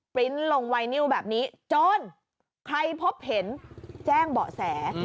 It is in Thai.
ปริ้นต์ลงไวนิวแบบนี้โจรใครพบเห็นแจ้งเบาะแส